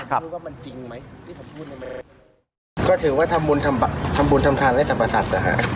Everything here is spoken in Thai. ก็ถือว่าทำบุญทำทานได้สรรพสัตว์